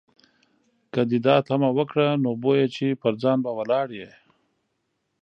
که دې دا تمه وکړه، نو بویه چې پر ځای به ولاړ یې.